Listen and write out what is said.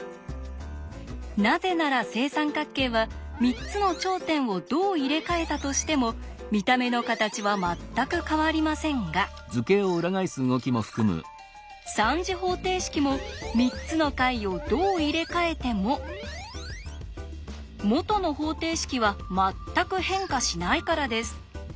なぜなら正三角形は３つの頂点をどう入れ替えたとしても見た目の形は全く変わりませんが３次方程式も３つの解をどう入れ替えても元の方程式は全く変化しないからです。